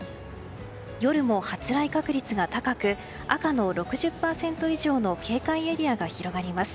夜も発雷確率が高く赤の６０％以上の警戒エリアが広がります。